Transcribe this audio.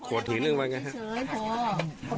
ขวดหินรึไงครับ